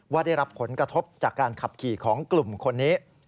ได้รับผลกระทบจากการขับขี่ของกลุ่มคนนี้